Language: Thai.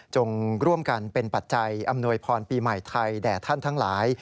ร่วมกันเป็นปัจจัยอำนวยพรปีใหม่ไทยแด่ท่านทั้งหลาย